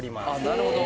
なるほど。